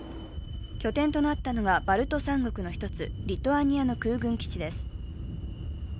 拠点となったのがバルト三国の１つリトアニアの空軍基地です。